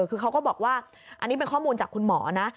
คือเขาก็บอกว่าอันนี้เป็นข้อมูลจากคุณหมอนะ